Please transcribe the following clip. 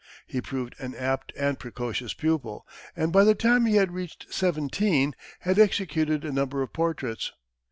He proved an apt and precocious pupil, and by the time he had reached seventeen had executed a number of portraits.